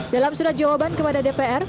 dalam surat jawaban kepada dpr